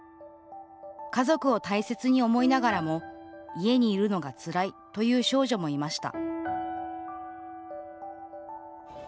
家族を大切に思いながらも家にいるのがつらいという少女もいました